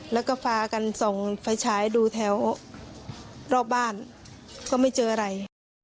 แล้วก็พากันส่องไฟฉายดูแถวรอบบ้านก็ไม่เจออะไร